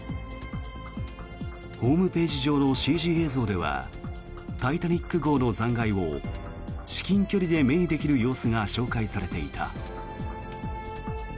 ホームページ上のＣＧ映像では「タイタニック号」の残骸を至近距離で目にできる様子が紹介されていた。